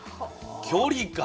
距離か。